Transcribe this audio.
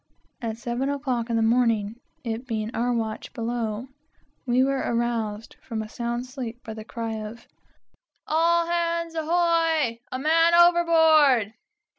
At seven o'clock in the morning, it being our watch below, we were aroused from a sound sleep by the cry of "All hands ahoy! a man overboard!"